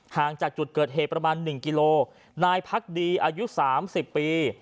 ห่างจากจุดเกิดเหตุประมาณ๑กิโลนายพักดีอายุ๓๐ปี